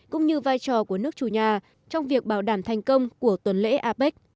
cũng như vai trò của nước chủ nhà trong việc bảo đảm thành công của tuần lễ apec